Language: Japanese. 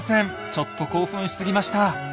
ちょっと興奮しすぎました。